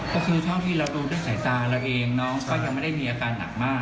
ก็คือเท่าที่เราดูด้วยสายตาเราเองน้องก็ยังไม่ได้มีอาการหนักมาก